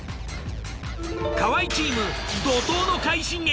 河合チーム怒とうの快進撃